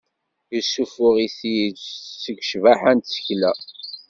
Yessuffuɣ-it-id seg ccbaḥa n tsekla.